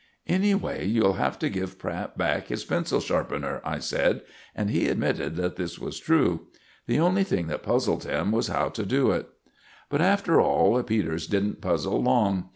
"Anyway, you'll have to give Pratt back his pencil sharpener," I said; and he admitted that this was true. The only thing that puzzled him was how to do it. But, after all, Peters didn't puzzle long.